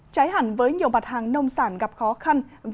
trái hẳn với nhiều mặt hàng nông sản gặp khó khăn